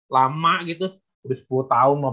lama gitu udah sepuluh tahun